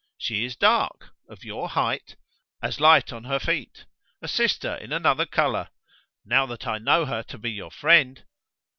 She is dark, of your height, as light on her feet; a sister in another colour. Now that I know her to be your friend